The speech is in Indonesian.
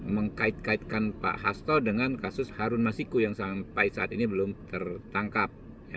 mengkait kaitkan pak hasto dengan kasus harun masiku yang sampai saat ini belum tertangkap